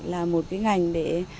là một ngành để